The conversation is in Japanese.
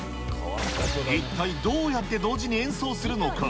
一体どうやって同時に演奏するのか。